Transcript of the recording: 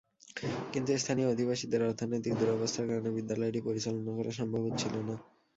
কিন্তু স্থানীয় অধিবাসীদের অর্থনৈতিক দুরবস্থার কারণে বিদ্যালয়টি পরিচালনা করা সম্ভব হচ্ছিল না।